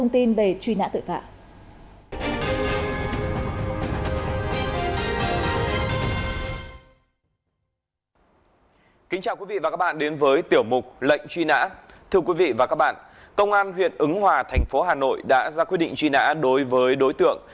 thưa quý vị và các bạn công an huyện ứng hòa thành phố hà nội đã ra quyết định truy nã đối với đối tượng